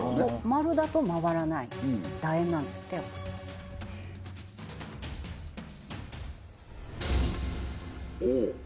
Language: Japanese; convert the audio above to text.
丸だと回らない楕円なんですっておお！